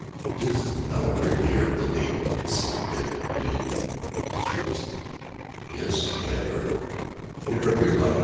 "Didst thou ever hear the name of Cassim ben Halim?" she asked. "Yes, I have heard it," the Arab replied.